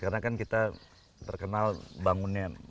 karena kan kita terkenal bangunnya